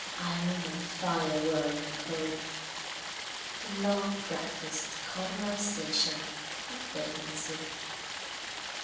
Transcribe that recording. Iron and fire were in the code: the law practised the cauterization of vagrancy.